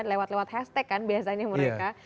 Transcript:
lewat lewat hashtag kan biasanya mereka